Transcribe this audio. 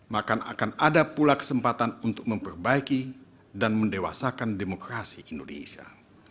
maka akan ada pula kesempatan untuk memperbaiki dan mendewasakan demokrasi indonesia